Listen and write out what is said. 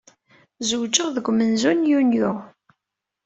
Zewǧeɣ deg umenzu n Yunyu.